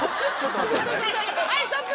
はいストップ！